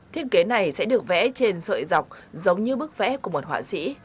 thiết kế này sẽ được vẽ trên sợi dọc giống như bức vẽ của một họa sĩ